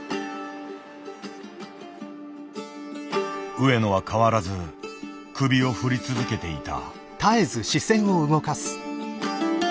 上野は変わらず首を振り続けていた。